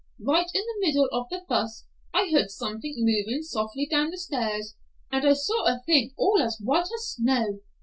Right in the middle of the fuss I heard something moving softly down the stairs, and I saw a thing all as white as snow.